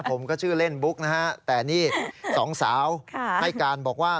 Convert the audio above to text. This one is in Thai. ผมก็ชื่อเล่นบุ๊กนะฮะแต่นี่สองสาวให้การบอกว่า